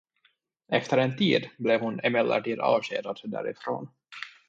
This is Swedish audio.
Efter en tid blev hon emellertid avskedad därifrån.